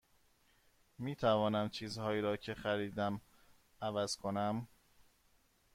می توانم چیزهایی را که خریدم عوض کنم؟